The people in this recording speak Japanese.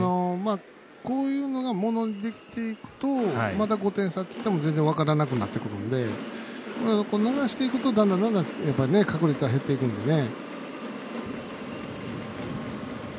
こういうのがものにできていくとまだ５点差といっても全然、分からなくなってくるんで逃していくと、だんだん確率が減っていくのでね。